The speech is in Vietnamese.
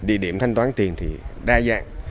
địa điểm thanh toán tiền thì đa dạng